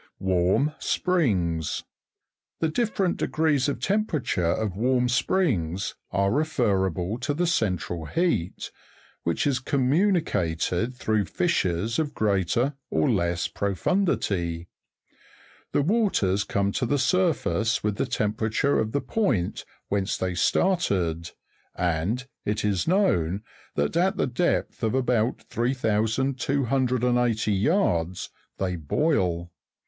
2. Warm springs. The different degrees of temperature of warm springs are referable to the central heat, which is communi cated through fissures of greater or less profundity. The waters come to the surface with the temperature of the point whence they started, and, it is known, that at the depth of about 3280 yards, they boil.